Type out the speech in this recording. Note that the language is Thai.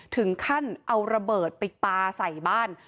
ถึงขั้นเอาระเบิดไปปลาใส่บ้าน